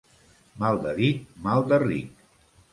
Mal de dit, mal de ric.